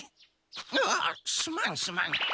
あっすまんすまん。